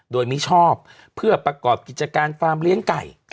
โดยมิชอบเพื่อประกอบกิจการฟาร์มเลี้ยงไก่